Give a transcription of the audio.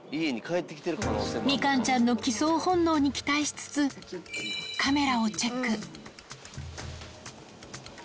みかんちゃんの帰巣本能に期待しつつ、カメラをチェック。